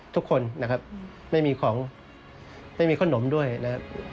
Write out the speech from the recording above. ทุกคนนะครับไม่มีของไม่มีขนมด้วยนะครับ